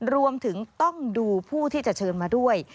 รวมถึงต้องดูผู้ที่จะเชิญมาด้วย